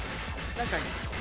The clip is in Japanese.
何か。